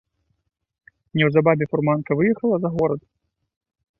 Неўзабаве фурманка выехала за горад.